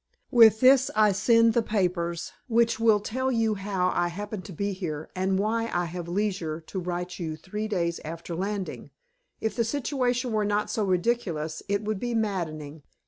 With this I send the papers, which will tell you how I happen to be here, and why I have leisure to write you three days after landing. If the situation were not so ridiculous, it would be maddening.